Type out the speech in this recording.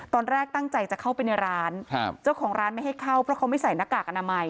ตอนแรกตั้งใจจะเข้าไปในร้านเจ้าของร้านไม่ให้เข้าเพราะเขาไม่ใส่หน้ากากอนามัย